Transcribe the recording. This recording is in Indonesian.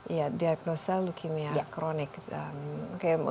iya diagnosa leukemia kronik